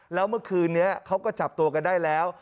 แล้วเมื่อคืนนี้เขาก็จับตัวกันได้แล้ว